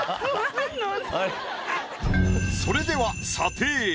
それでは査定。